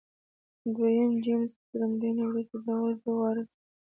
د دویم جېمز تر مړینې وروسته د هغه زوی وارث و.